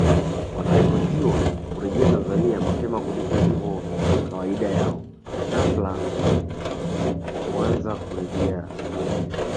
wanaripotiwa kurejea Tanzania mapema kuliko ilivyo kawaida yao ghafla kuanza kurejea Kenya